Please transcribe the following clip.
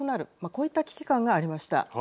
こういった危機感がありました。